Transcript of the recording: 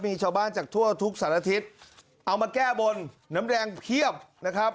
มีชาวบ้านจากทั่วทุกสารทิศเอามาแก้บนน้ำแรงเพียบนะครับ